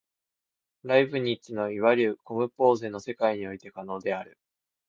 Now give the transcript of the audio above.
ライプニッツのいわゆるコムポーゼの世界において可能である。